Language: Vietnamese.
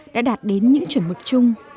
đã đạt đến những chuẩn mực chung